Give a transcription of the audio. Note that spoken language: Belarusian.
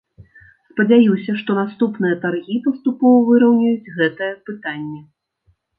Спадзяюся, што наступныя таргі паступова выраўняюць гэтае пытанне.